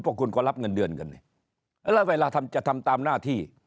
พวกคุณก็รับเงินเดือนกันเนี่ยแล้วเวลาทำจะทำตามหน้าที่